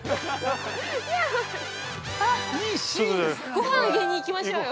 ◆ごはんあげに行きましょうよ。